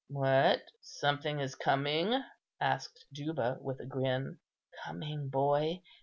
"What! something is coming?" asked Juba, with a grin. "Coming, boy?